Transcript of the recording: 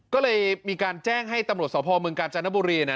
ก็เลยมีการแจ้งให้ตำรวจสอบภอม์มึงกาจานบุรีน่ะ